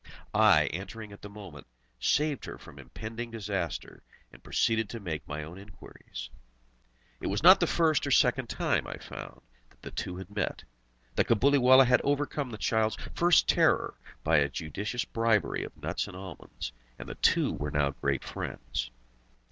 I, entering at the moment, saved her from impending disaster, and proceeded to make my own inquiries. It was not the first or second time, I found, that the two had met. The Cabuliwallah had overcome the child's first terror by a judicious bribery of nuts and almonds, and the two were now great friends.